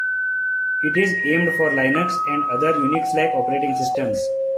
It is aimed for Linux and other Unix-like operating systems.